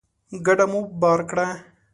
کډه مو بار کړه